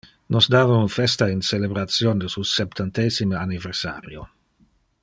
Nos dava un festa in celebration de su septantesime anniversario.